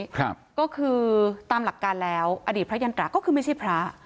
ครับก็คือตามหลักการแล้วอดีตพระยันตราก็คือไม่ใช่พระ